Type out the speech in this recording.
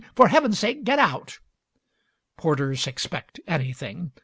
"For heaven's sake, get out!" Porters expect anything.